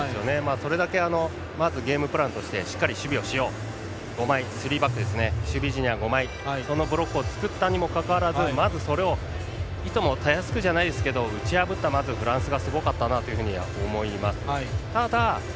それだけ、ゲームプランとしてしっかり守備をしよう、５枚守備陣は５枚、そのブロックを作ったにもかかわらず、それをいともたやすくじゃないですけど打ち破ったフランスがすごかったなと思います。